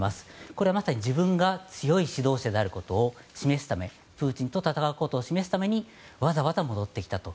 これはまさに自分が強い指導者であることを示すためプーチンと戦うことを示すためにわざわざ戻ってきたと。